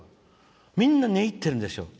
みんな寝入ってるんですよ。